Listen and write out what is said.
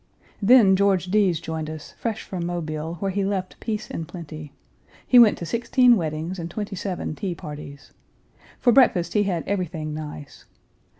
Then George Deas joined us, fresh from Mobile, where he left peace and plenty. He went to sixteen weddings and twenty seven tea parties. For breakfast he had everything nice.